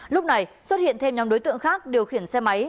lúc này xuất hiện thêm nhóm đối tượng khác điều khiển xe máy